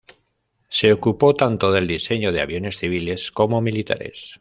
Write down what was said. Se ocupó tanto del diseño de aviones civiles como militares.